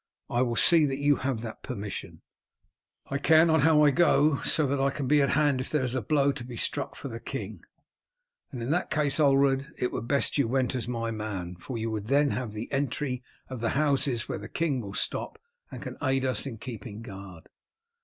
I will see that you have that permission." "I care not how I go so that I can be at hand if there is a blow to be struck for the king." "Then in that case, Ulred, it were best you went as my man, for you would then have the entry of the houses where the king will stop and can aid us in keeping guard."